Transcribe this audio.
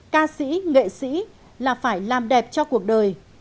ca sĩ nghệ sĩ là phải làm đẹp cho cuộc đời